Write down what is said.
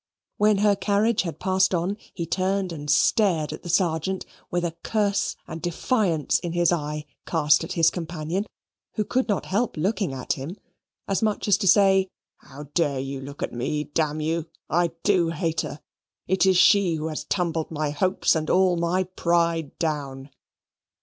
When her carriage had passed on, he turned and stared at the Sergeant, with a curse and defiance in his eye cast at his companion, who could not help looking at him as much as to say "How dare you look at me? Damn you! I do hate her. It is she who has tumbled my hopes and all my pride down."